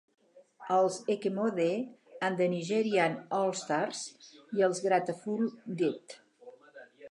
Els Ekemode and the Nigerian Allstars, i els Grateful Dead.